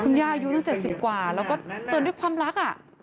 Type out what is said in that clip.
คุณย่ายุนอัน๗๐กว่าแล้วก็เตือนว่าความรักอะ